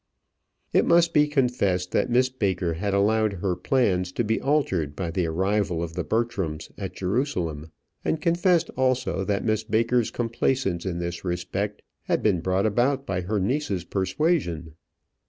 It must be confessed that Miss Baker had allowed her plans to be altered by the arrival of the Bertrams at Jerusalem; and confessed also that Miss Baker's complaisance in this respect had been brought about by her niece's persuasion.